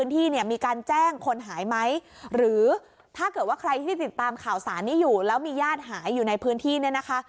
ถ้าเกิดว่าใครที่ติดตามข่าวสารนี้อยู่แล้วมีญาติหายอยู่ในพื้นที่นี่นะคะ